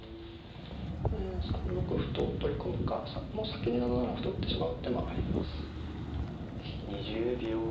３六歩と取り込むか先に７七歩と打ってしまう手もあります。